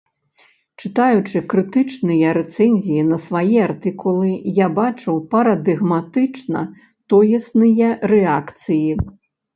Чытаючы крытычныя рэцэнзіі на свае артыкулы, я бачу парадыгматычна тоесныя рэакцыі.